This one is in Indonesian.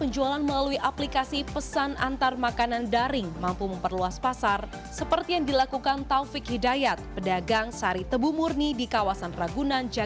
juga dukungan dari umkm yang masih membutuhkan bantuan digital minimal promosi